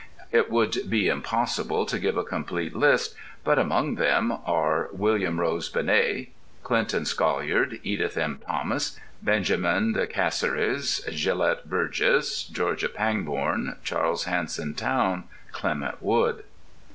It would be impossible to give a complete list, but among them are William Rose Benét, Clinton Scollard, Edith M. Thomas, Benjamin De Casseres, Gelett Burgess, Georgia Pangborn, Charles Hanson Towne, Clement Wood.